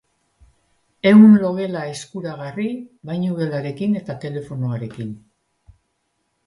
Ehun logela eskuragarri, bainugelarekin eta telefonoarekin.